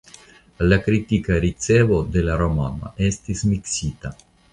La kritika ricevo de la romano estis miksita.